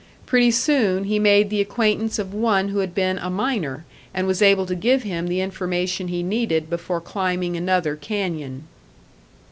Pretty soon he made the acquaintance of one who had been a miner, and was able to give him the information he needed before climbing another canyon.